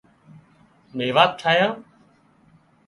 ميوات ٺاهيا